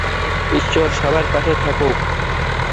ঈশ্বর সবার পাশে থাকুন।